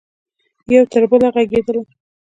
یو تربله ږغیدله